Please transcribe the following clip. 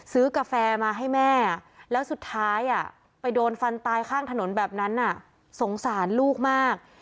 กาแฟมาให้แม่แล้วสุดท้ายไปโดนฟันตายข้างถนนแบบนั้นสงสารลูกมาก